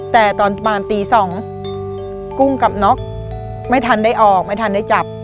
แต่ตอนประมาณตี๒กุ้งกับน็อกไม่ทันได้ออกไม่ทันได้จับ